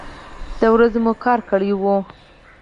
د ورځې مو کار کړی و.